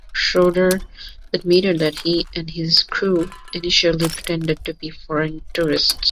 Schroeder admitted that he and his crew initially pretended to be foreign tourists.